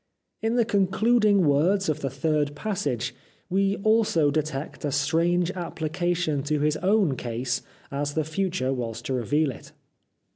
In the concluding words of the third passage we also detect a strange application to his own case as the future was to reveal it.